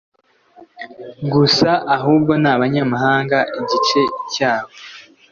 gusa ahubwo n abanyamahanga Igice cyabo